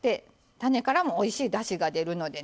種からもおいしいだしが出るのでね。